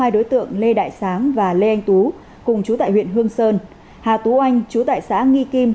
hai đối tượng lê đại sáng và lê anh tú cùng chú tại huyện hương sơn hà tú anh chú tại xã nghi kim